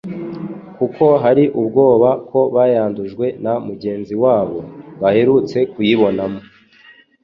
kuko hari ubwoba ko bayandujwe na mugenzi wabo baherutse kuyibonamo.